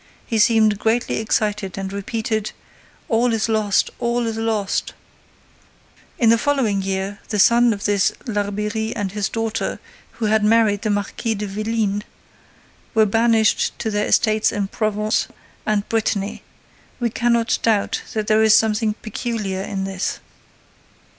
He seemed greatly excited and repeated: "'All is lost—all is lost—' "In the following year, the son of this Larbeyrie and his daughter, who had married the Marquis de Vélines, were banished to their estates in Provence and Brittany. We cannot doubt that there is something peculiar in this."